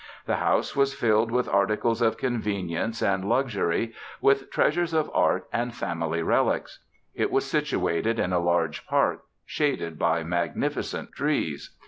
The house was filled with articles of convenience and luxury, with treasures of art and family relics. It was situated in a large park, shaded by magnificent trees.